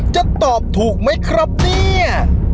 จะตอบถูกไหมครับเนี่ย